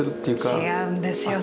違うんですよ。